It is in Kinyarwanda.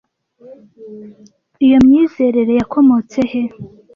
Iyo myizerere yakomotse he